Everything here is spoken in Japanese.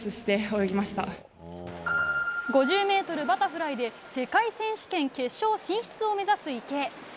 ５０ｍバタフライで世界選手権決勝進出を目指す池江。